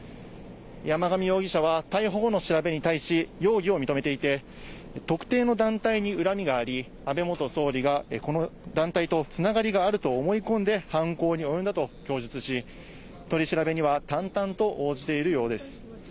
山上容疑者は逮捕後の調べに対し、容疑を認めていて、特定の団体に恨みがあり、安倍元総理がこの団体とつながりがあると思い込んで犯行に及んだと供述し、取り調べには淡々と応じているようです。